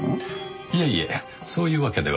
いえいえそういうわけでは。